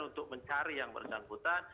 untuk mencari yang bersangkutan